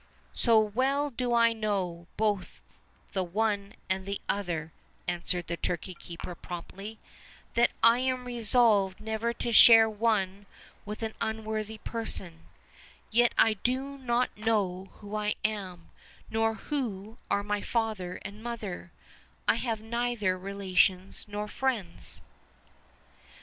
"So well do I know both the one and the other," an swered the turkey keeper promptly, "that I am resolved never to share one with an unworthy person; yet I do not know who I am, nor who are my father and mother: I have neither relations nor friends."